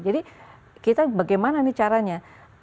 jadi kita bagaimana nih caranya